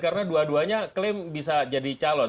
karena dua duanya klaim bisa jadi calon